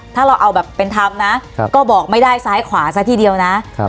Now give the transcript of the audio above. ถ้าเราเอาแบบเป็นธรรมนะก็บอกไม่ได้ซ้ายขวาซะทีเดียวนะครับ